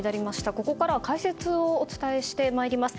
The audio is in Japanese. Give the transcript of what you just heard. ここからは解説をお伝えします。